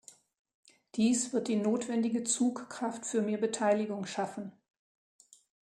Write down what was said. Dies wird die notwendige Zugkraft für mehr Beteiligung schaffen.